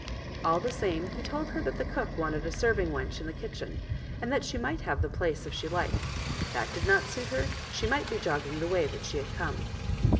All the same he told her that the cook wanted a serving wench in the kitchen, and that she might have the place if she liked ; if that did not suit her she might be jogging the way that she had come.